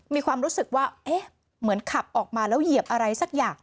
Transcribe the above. มีความรู้สึกว่าเอ๊ะเหมือนขับออกมาแล้วเหยียบอะไรสักอย่าง